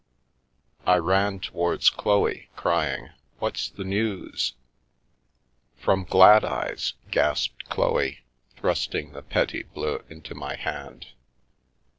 I ran towards Chloe, crying " What's the news ?" "From Gladeyes," gasped Chloe, thrusting the petit bleu into my hand.